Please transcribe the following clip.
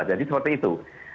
jadi seperti itu